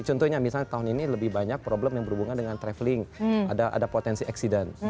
contohnya misalnya tahun ini lebih banyak problem yang berhubungan dengan traveling ada potensi accident